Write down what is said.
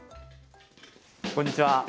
こんにちは。